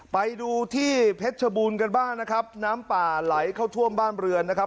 ไปดูที่เพชรชบูรณ์กันบ้างนะครับน้ำป่าไหลเข้าท่วมบ้านเรือนนะครับ